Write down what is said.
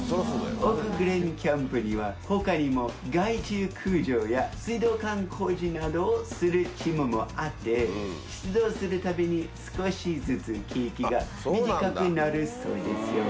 オーク・グレン・キャンプには、ほかにも害虫駆除や、水道管工事などをするチームもあって、出動するたびに、少しずつ刑期が短くなるそうですよ。